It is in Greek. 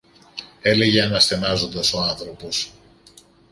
έλεγε αναστενάζοντας ο άνθρωπος.